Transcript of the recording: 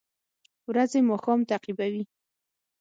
ورځې ماښام تعقیبوي